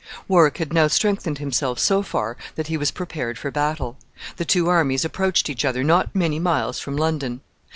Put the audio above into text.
Warwick had now strengthened himself so far that he was prepared for battle. The two armies approached each other not many miles from London.